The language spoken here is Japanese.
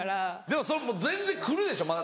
でも全然来るでしょ？